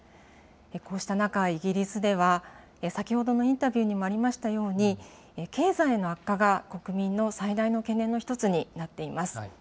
こうした中、イギリスでは、先ほどのインタビューにもありましたように、経済の悪化が国民の最大の懸念の一つになっています。